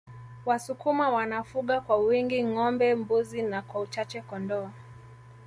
Wasukuma wanafuga kwa wingi ngombe mbuzi na kwa uchache kondoo